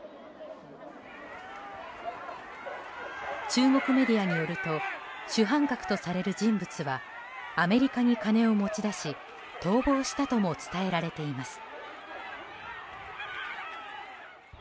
中国メディアによると主犯格とされる人物はアメリカに金を持ち出し逃亡したとも伝えられています。